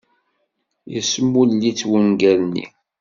Yesmull-itt wungal-nni.